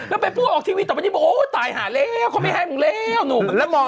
แล้วไปพูดออกทีวีต่อไปตายหาแล้วเขาไม่ให้มึงแล้ว